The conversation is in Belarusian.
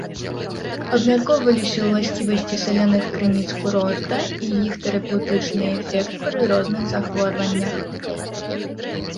Абмяркоўваліся ўласцівасці саляных крыніц курорта і іх тэрапеўтычны эфект пры розных захворваннях.